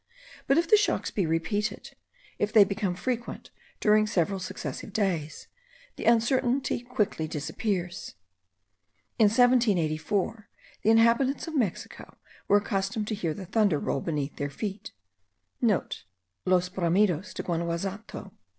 But if the shocks be repeated, if they become frequent during several successive days, the uncertainty quickly disappears. In 1784, the inhabitants of Mexico were accustomed to hear the thunder roll beneath their feet,* (* Los bramidos de Guanazuato.)